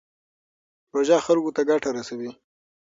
پروژه خلکو ته ګټه رسوي.